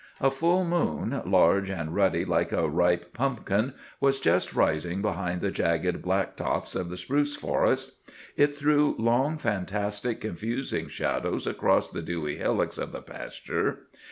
A full moon, large and ruddy like a ripe pumpkin, was just rising behind the jagged black tops of the spruce forest. It threw long, fantastic, confusing shadows across the dewy hillocks of the pasture.